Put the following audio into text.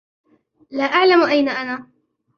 لا أعلم أين أنا.